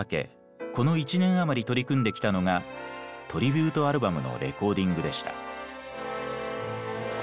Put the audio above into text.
この１年余り取り組んできたのがトリビュートアルバムのレコーディングでした。